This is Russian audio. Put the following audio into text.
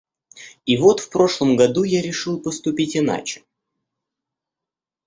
И вот в прошлом году я решил поступить иначе.